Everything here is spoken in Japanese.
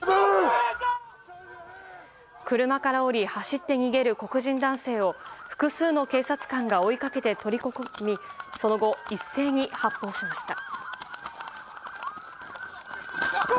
車から降り走って逃げる黒人男性を複数の警察官が追いかけて取り囲みその後、一斉に発砲しました。